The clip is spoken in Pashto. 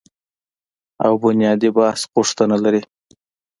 او بنیادي بحث غوښتنه لري